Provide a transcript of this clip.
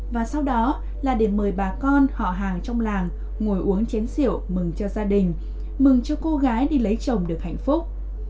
và sau đó là để mời bà con họ hàng trong làng ngồi uống chén rượu mừng cho gia đình mừng cho cô gái đi lấy chồng được hạnh phúc